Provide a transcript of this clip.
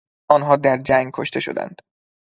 آنها در جنگ کشته شدند.